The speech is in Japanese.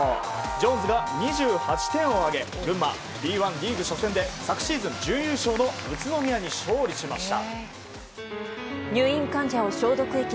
ジョーンズが２８点を挙げ群馬、Ｂ１リーグ初戦で昨シーズン準優勝の宇都宮に勝利しました。